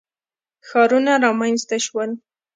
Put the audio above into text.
ښارونه رامنځته شول.